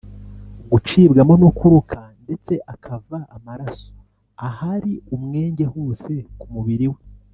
gucibwamo no kuruka ndetse akava amaraso ahari umwenge hose ku mubiri we